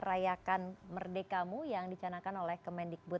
tetaplah bersama indonesia forward kami akan segera kembali